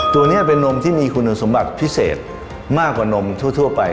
ตัวนี้เป็นนมที่มีคุณสมบัติพิเศษมากกว่านมทั่วไป